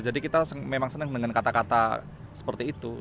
jadi kita memang senang dengan kata kata seperti itu